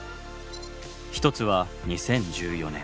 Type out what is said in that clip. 一つは２０１４年。